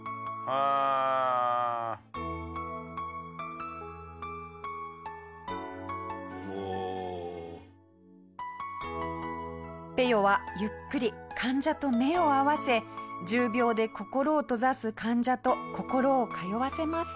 下平：ペヨは、ゆっくり患者と目を合わせ重病で心を閉ざす患者と心を通わせます。